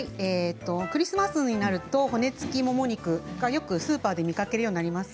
クリスマスになると骨付きもも肉はよくスーパーで見かけるようになります。